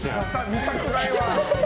見たくないわ。